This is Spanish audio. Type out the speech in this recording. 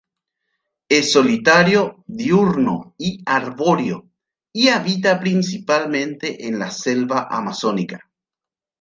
Es solitario, diurno y arbóreo y habita principalmente en la selva amazónica.